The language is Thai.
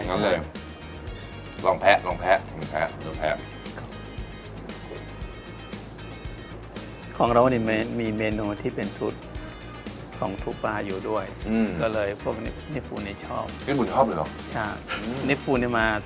อย่างนั้นเลยลองแพ้ลองแพ้ลองแพ้